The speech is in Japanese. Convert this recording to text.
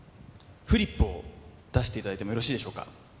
フリップを出していただいてもよろしいでしょうか